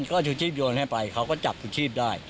ก็ชูชีพโยนให้ไปเขาก็จับชูชีพได้